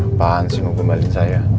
apaan sih mau kembaliin saya